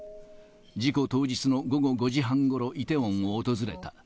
事故当日の午後５時半ごろ、イテウォンを訪れた。